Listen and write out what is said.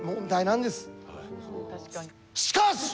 しかし！